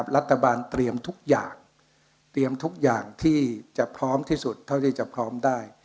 รัฐบาลเตรียมทุกอย่างที่จะพร้อมที่สุดเท่าที่จะพร้อมได้